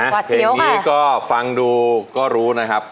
เพลงนี้ก็ฟังดูก็รู้นะครับ